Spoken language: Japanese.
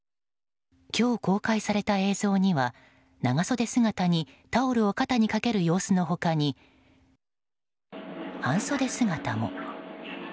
今日公開された映像には長袖姿にタオルを肩にかける様子の他に半袖姿も。